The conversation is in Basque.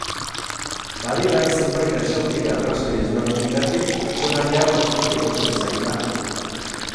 Badira zenbait esaldi, arrazoi ezberdinengatik pertsonaia batzuei egozten zaiena.